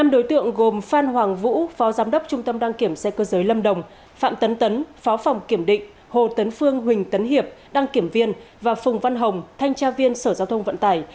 năm đối tượng gồm phan hoàng vũ phó giám đốc trung tâm đăng kiểm xe cơ giới lâm đồng phạm tấn phó phòng kiểm định hồ tấn phương huỳnh tấn hiệp đăng kiểm viên và phùng văn hồng thanh tra viên sở giao thông vận tải